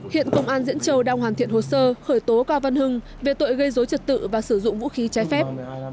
hiện công an diễn châu đang hoàn thiện hồ sơ khởi tố cao văn hưng về tội gây dối trật tự và sử dụng vũ khí trái phép